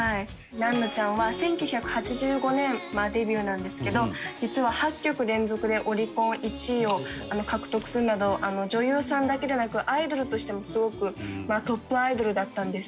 ナンノちゃんは１９８５年まあデビューなんですけど実は８曲連続でオリコン１位を獲得するなど女優さんだけでなくアイドルとしてもすごくトップアイドルだったんです。